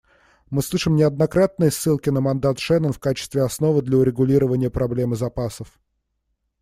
Мы слышим неоднократные ссылки на мандат Шеннон в качестве основы для урегулирования проблемы запасов.